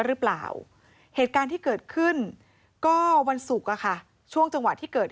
หรือเปล่าเหตุการณ์ที่เกิดขึ้นก็วันศุกร์อะค่ะช่วงจังหวะที่เกิด